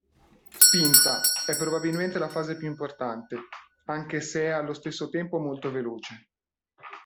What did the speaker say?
Spinta: è probabilmente la fase più importante, anche se è allo stesso tempo molto veloce.